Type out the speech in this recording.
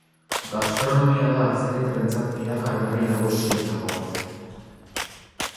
Gastronomia da atzerritarrentzat erakargarri nagusienetako bat.